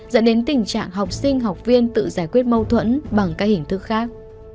dẫn đến tình trạng học sinh học viên tự giải quyết mâu thuẫn bằng các hình thức khác